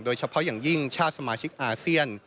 โดยเฉพาะอย่างยิ่งชาติสมาชิกอาเซียน